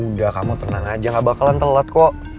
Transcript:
udah kamu tenang aja gak bakalan telat kok